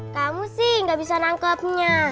kamu sih nggak bisa nangkepnya